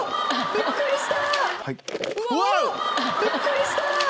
びっくりした！